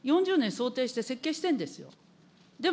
４０年想定して設計してるんですよ。